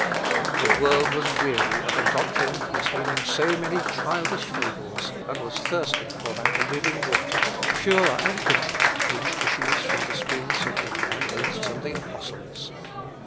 The world was weary of a doctrine containing so many childish fables, and was thirsting for that living water, pure and hidden, which issues from the springs of the evangelists and the apostles.